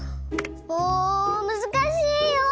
もうむずかしいよ！